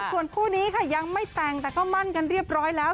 ส่วนคู่นี้ค่ะยังไม่แต่งแต่ก็มั่นกันเรียบร้อยแล้ว